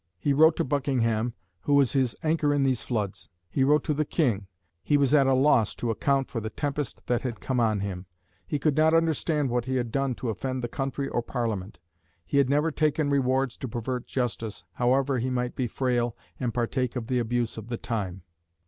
He wrote to Buckingham, who was "his anchor in these floods." He wrote to the King; he was at a loss to account for the "tempest that had come on him;" he could not understand what he had done to offend the country or Parliament; he had never "taken rewards to pervert justice, however he might be frail, and partake of the abuse of the time."